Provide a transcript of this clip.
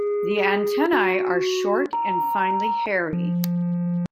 The antennae are short and finely hairy.